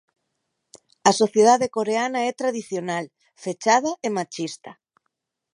A sociedade coreana é tradicional, fechada e machista